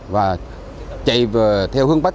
và chạy theo hướng bách